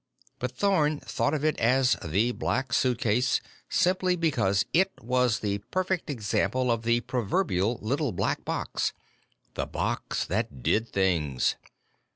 But Thorn thought of it as the Black Suitcase simply because it was the perfect example of the proverbial Little Black Box the box that Did Things.